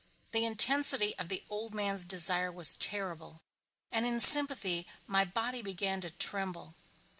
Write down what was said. The intensity of the old man's desire was terrible and in sympathy my body began to tremble.